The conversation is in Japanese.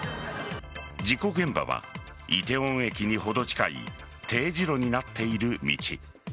事故現場は、梨泰院駅にほど近い丁字路になっている道。